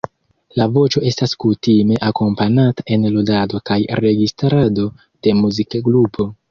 La voĉo estas kutime akompanata en ludado kaj registrado de muzikgrupo.